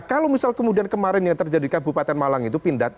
nah kalau misalnya kemarin yang terjadi di kabupaten malang itu pindad